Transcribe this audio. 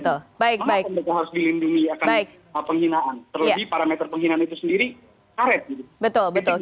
terlebih parameter penghinaan itu sendiri karet